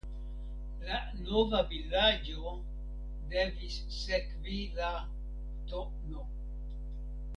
La nova vilaĝo devis sekvi la tn.